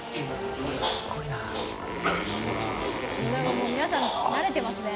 もう皆さんなれてますね。